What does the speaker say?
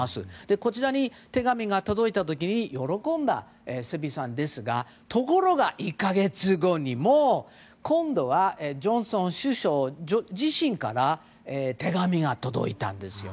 こちらに手紙が届いた時に喜んだセビーさんですがところが、１か月後にも今度はジョンソン首相自身から手紙が届いたんです。